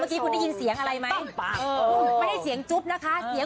อันนี้คืออะไร